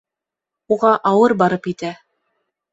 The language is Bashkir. Уға ауыр барып етә